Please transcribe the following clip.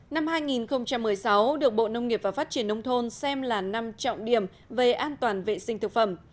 năm hai nghìn một mươi sáu được bộ nông nghiệp và phát triển nông thôn xem là năm trọng điểm về an toàn vệ sinh thực phẩm